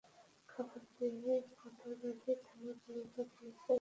খবর পেয়ে কোতোয়ালি থানা-পুলিশ ঘটনাস্থলে গেলে পুনরায় যান চলাচল শুরু হয়।